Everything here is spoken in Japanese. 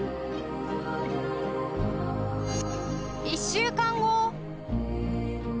１週間後